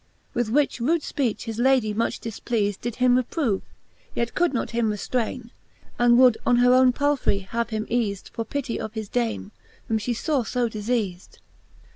With which rude fpeach his Lady much difpleafed, Did him reprove, yet could him not reftrayne. And would on her owne Palfrey him have eafed, For pitty of his Dame, whom fhe faw io difeafed.